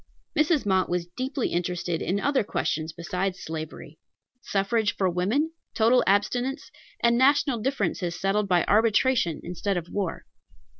Mrs. Mott was deeply interested in other questions besides slavery, suffrage for women, total abstinence, and national differences settled by arbitration instead of war.